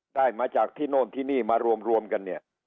ได้มาจากที่โน่นที่นี่มารวมกันเนี่ย